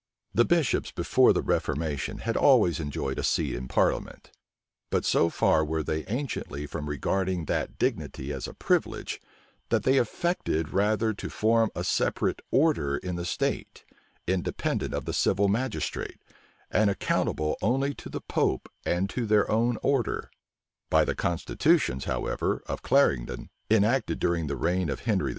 The bishops before the reformation had always enjoyed a seat in parliament; but so far were they anciently from regarding that dignity as a privilege, that they affected rather to form a separate order in the state, independent of the civil magistrate, and accountable only to the pope and to their own order. By the constitutions, however, of Clarendon, enacted during the reign of Henry II.